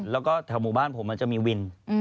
แล้วก็แถมบุวร์บานก็จะมีวิน